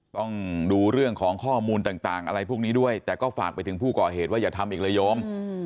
ต้องดูเรื่องของข้อมูลต่างอะไรพวกนี้ด้วยแต่ก็ฝากไปถึงผู้ก่อเหตุว่าอย่าทำอีกเลยโยม